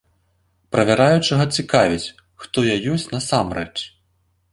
Правяраючага цікавіць, хто я ёсць насамрэч.